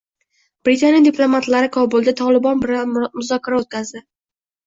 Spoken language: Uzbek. Britaniya diplomatlari Kobulda Tolibon bilan muzokara o‘tkazdi